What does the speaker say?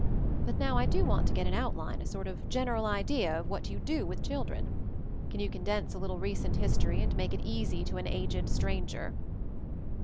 But now I do want to get an outline, a sort of general idea, of what you do with children. Can you condense a little recent history, and make it easy to an aged stranger?"